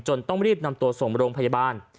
ต้องรีบนำตัวส่งโรงพยาบาล